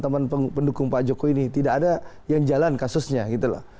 teman teman pendukung pak jokowi ini tidak ada yang jalan kasusnya gitu loh